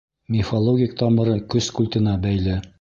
Мифологик тамыры көс культына бәйле.